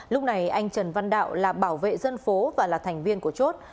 lúc này anh trần văn đạo là bảo vệ dân phố và là thành viên của chốt